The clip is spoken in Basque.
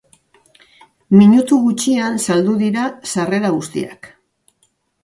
Minutu gutxian saldu dira sarrera guztiak.